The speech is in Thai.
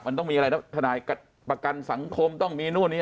มันต้องมีอะไรแล้วทนายประกันสังคมต้องมีนู่นนี่